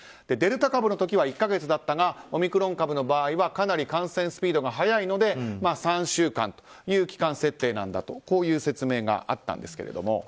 デルタ株の時は１か月だったがオミクロン株の場合はかなり感染スピードが速いので３週間という期間設定なんだというこういう説明があったんですけれども。